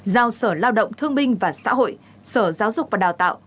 giao sở lao động thương binh và xã hội sở giáo dục và đào tạo